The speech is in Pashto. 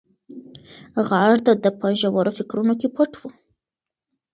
غږ د ده په ژورو فکرونو کې پټ و.